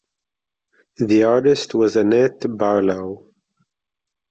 The artist was Annette Barlow.